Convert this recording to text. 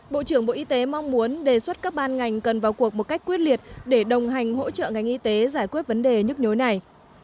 bộ trưởng bộ y tế mong muốn đề xuất các ban ngành cần vào cuộc một cách quyết liệt để đồng hành hỗ trợ ngành y tế giải quyết vấn đề nhức nhối này